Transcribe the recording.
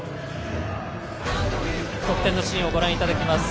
得点のシーンをご覧いただきます。